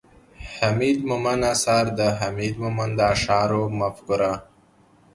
،حميد مومند اثار، د حميد مومند د اشعارو مفکوره